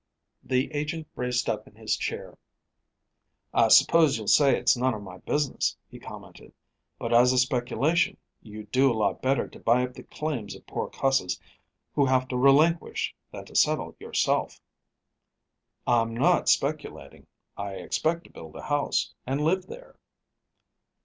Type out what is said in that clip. The agent braced up in his chair. "I suppose you'll say it's none of my business," he commented, "but as a speculation you'd do a lot better to buy up the claims of poor cusses who have to relinquish, than to settle yourself." "I'm not speculating. I expect to build a house, and live here."